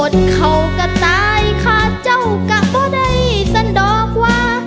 เขาก็ตายค่ะเจ้ากะบ่ได้สั้นดอกว่า